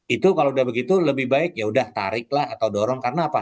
itu kalau udah begitu lebih baik ya udah tarik lah atau dorong karena apa